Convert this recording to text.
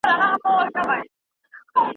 استاد ته باید د شاګرد نظر معلوم وي.